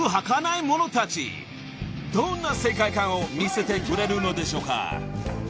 ［どんな世界観を見せてくれるのでしょうか？］